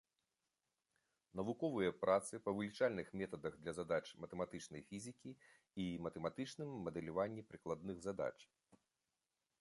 Навуковыя працы па вылічальных метадах для задач матэматычнай фізікі і матэматычным мадэляванні прыкладных задач.